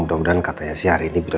dan sembuhkanlah dia seperti sedia kalah